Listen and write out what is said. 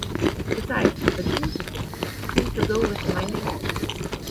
Besides, the crucifixes seem to go with my name.